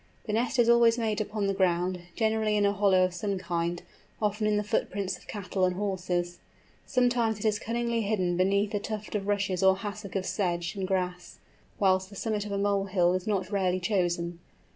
The nest is always made upon the ground, generally in a hollow of some kind, often in the footprints of cattle and horses. Sometimes it is cunningly hidden beneath a tuft of rushes or hassock of sedge and grass; whilst the summit of a mole hill is not rarely chosen.